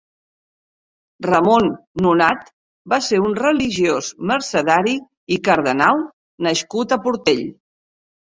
Ramon Nonat va ser un religiós mercedari i cardenal nascut a Portell.